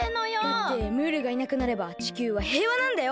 だってムールがいなくなれば地球はへいわなんだよ。